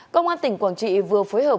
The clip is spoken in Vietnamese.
công an tỉnh quảng trị vừa phối hợp